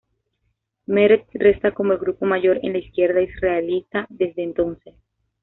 Meretz resta como el grupo mayor en la izquierda israelita desde entonces.